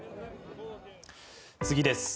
次です。